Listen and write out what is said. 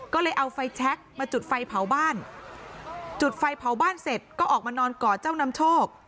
ก็เลยเอาไฟแชคมาจุดไฟเผาบ้านจุดไฟเผาบ้านเสร็จก็ออกมานอนก่อเจ้านำโชค